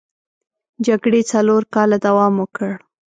جګړې څلور کاله دوام وکړ.